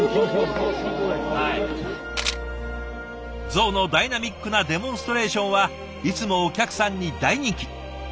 ゾウのダイナミックなデモンストレーションはいつもお客さんに大人気。